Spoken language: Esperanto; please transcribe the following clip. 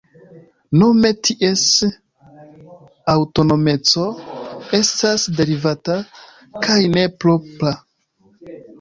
Nome ties aŭtonomeco estas "derivata", kaj ne "propra".